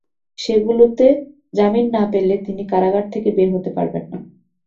সেগুলোতে জামিন না পেলে তিনি কারাগার থেকে বের হতে পারবেন না।